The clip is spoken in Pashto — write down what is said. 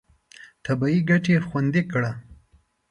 طبیعي ګټې خوندي کړه.